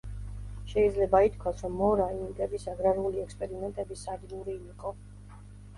შეიძლება ითქვას, რომ მორაი ინკების აგრარული ექსპერიმენტების სადგური იყო.